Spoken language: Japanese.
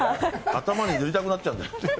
頭に塗りたくなっちゃう。